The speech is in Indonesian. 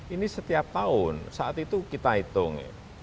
ini setiap tahun saat itu kita hitung